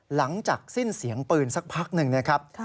หลังจากสิ้นเสียงปืนสักพักหนึ่งนะครับ